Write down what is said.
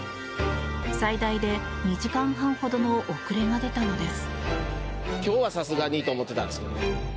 最大で２時間半ほどの遅れが出たのです。